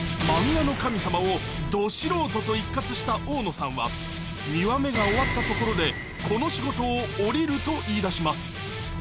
漫画の神様をど素人と一喝した大野さんは、２話目が終わったところで、この仕事を降りると言いだします。